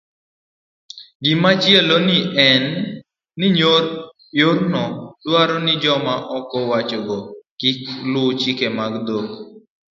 Gimachielo en ni, yorno dwaro ni joma oro wechego kik luwo chike mag dhok